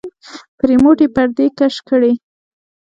په رېموټ يې پردې کش کړې.